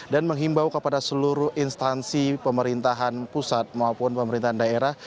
dan menghimbau kepada seluruh instansi pemerintahan pusat maupun pemerintahan daerah